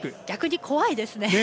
逆に怖いですね。